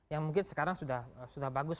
yang mungkin sekarang sudah bagus